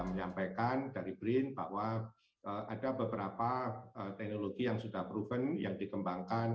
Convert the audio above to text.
menyampaikan dari brin bahwa ada beberapa teknologi yang sudah proven yang dikembangkan